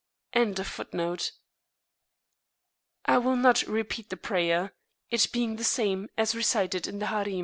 [FN#29] I will not repeat the prayer, it being the same as that recited in the Harim.